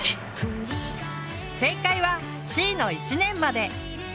正解はＣの「１年まで」。